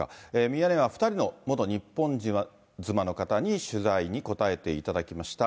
ミヤネ屋は２人の元日本人妻の方に取材に答えていただきました。